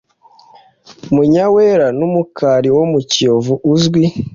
Munyawera n’umukari wo mukiyovu uzwi